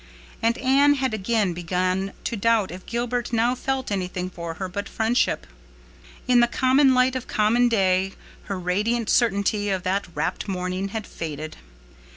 And Anne had again begun to doubt if Gilbert now felt anything for her but friendship. In the common light of common day her radiant certainty of that rapt morning had faded.